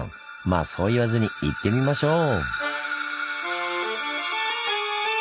まあそう言わずに行ってみましょう！